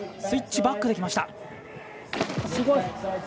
スイッチバックできました。